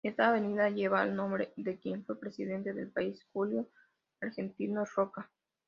Esta avenida lleva el nombre de quien fue Presidente del país Julio Argentino Roca.